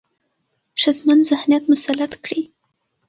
ښځمن ذهنيت مسلط کړي،